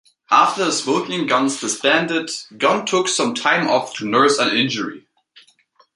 After The Smoking Gunns disbanded, Gunn took some time off to nurse an injury.